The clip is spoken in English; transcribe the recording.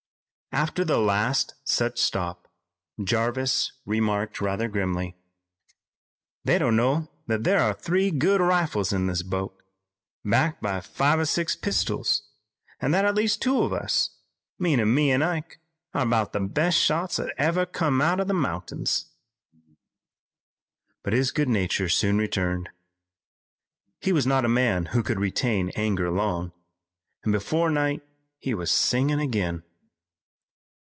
After the last such stop Jarvis remarked rather grimly: "They don't know that there are three good rifles in this boat, backed by five or six pistols, an' that at least two of us, meanin' me and Ike, are 'bout the best shots that ever come out o' the mountains." But his good nature soon returned. He was not a man who could retain anger long, and before night he was singing again.